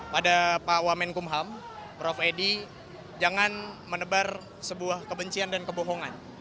pada pak wamenkumham prof edi jangan menebar sebuah kebencian dan kebohongan